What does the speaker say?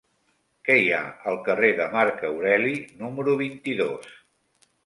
Què hi ha al carrer de Marc Aureli número vint-i-dos?